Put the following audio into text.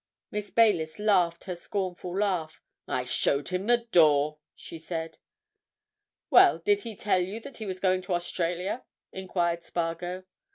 Miss Baylis laughed her scornful laugh. "I showed him the door!" she said. "Well, did he tell you that he was going to Australia?" enquired Spargo.